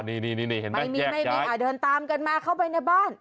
นี่เห็นไหมเดินตามกันมาเข้าไปในบ้าน